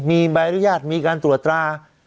มีใบอนุญาตมีการตรวจตรา